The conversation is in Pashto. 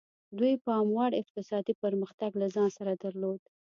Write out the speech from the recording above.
دوی د پاموړ اقتصادي پرمختګ له ځان سره درلود.